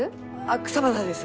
草花です。